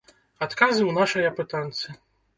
Адказы ў нашай апытанцы.